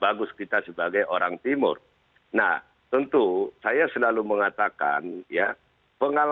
dan mereka menjadi ada orang lebih lagu dari perlu saya tekankan